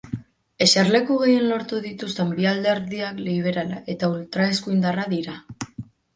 Eserleku gehien lortu dituzten bi alderdiak liberala eta ultraeskuindarra dira.